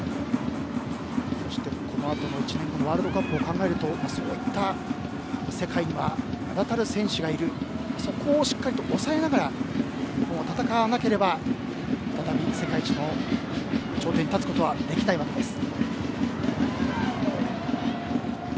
そして、このあと１年後のワールドカップを考えるとそういった世界には名だたる選手がいるそこをしっかりと抑えながら戦わなければ再び世界一の頂点に立つことはできないわけです。